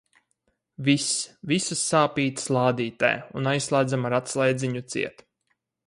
Viss, visas sāpītes lādītē un aizslēdzam ar atslēdziņu ciet.